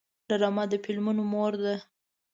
ډرامه د فلمونو مور ده